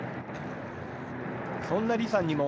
そんな李さんにも、